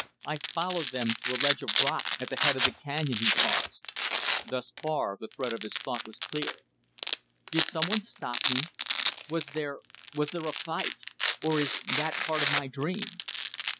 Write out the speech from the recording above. I followed them to a ledge of rock at the head of a canyon," he paused. Thus far the thread of his thought was clear. "Did some one stop me? Was there was there a fight? Or is that part of my dream?"